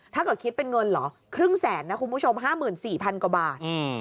ถ้าเกิดคิดเป็นเงินเหรอครึ่งแสนนะคุณผู้ชม๕๔๐๐กว่าบาท